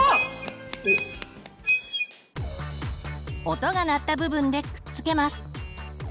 音が鳴った部分でくっつけます。